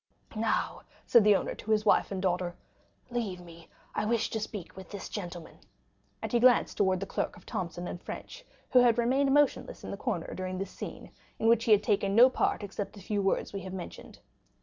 "Now," said the owner to his wife and daughter, "leave me; I wish to speak with this gentleman." 20045m And he glanced towards the clerk of Thomson & French, who had remained motionless in the corner during this scene, in which he had taken no part, except the few words we have mentioned.